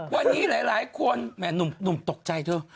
วันนี้หลายคนหนุ่มตกใจเถอะ